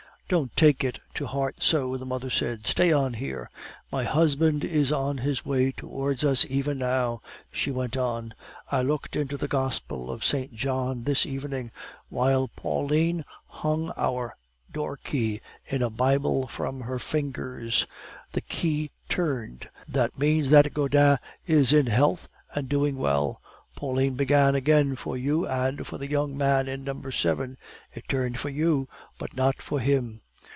"'Don't take it to heart so,' the mother said; 'stay on here. My husband is on his way towards us even now,' she went on. 'I looked into the Gospel of St. John this evening while Pauline hung our door key in a Bible from her fingers. The key turned; that means that Gaudin is in health and doing well. Pauline began again for you and for the young man in number seven it turned for you, but not for him.